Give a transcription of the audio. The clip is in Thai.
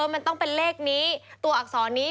มันต้องเป็นเลขนี้ตัวอักษรนี้